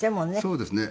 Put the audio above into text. そうですね。